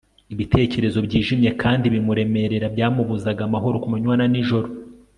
ibitekerezo byijimye kandi bimuremerera byamubuzaga amahoro ku manywa na nijoro